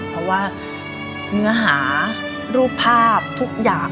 เพราะว่าเนื้อหารูปภาพทุกอย่าง